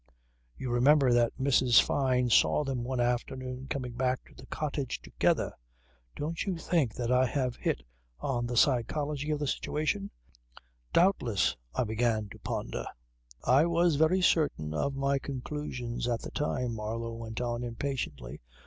You remember that Mrs. Fyne saw them one afternoon coming back to the cottage together. Don't you think that I have hit on the psychology of the situation? ..." "Doubtless ..." I began to ponder. "I was very certain of my conclusions at the time," Marlow went on impatiently.